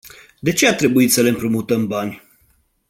De ce a trebuit să le împrumutăm bani?